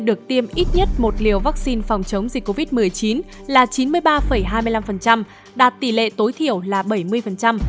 được tiêm ít nhất một liều vaccine phòng chống dịch covid một mươi chín là chín mươi ba hai mươi năm đạt tỷ lệ tối thiểu là bảy mươi